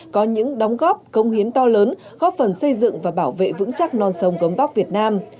có những đóng góp công hiến to lớn góp phần xây dựng và bảo vệ vững chắc non sông gốm bóc việt nam